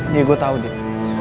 iya gue tau dit